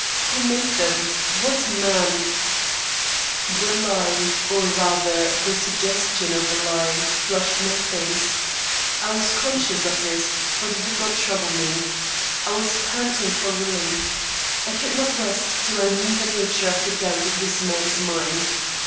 Who made them? What man " The lie, or rather the suggestion of a lie, flushed my face. I was conscious of this, but it did not trouble me. I was panting for relief. I could not rest till I knew the nature of the doubt in this man's mind.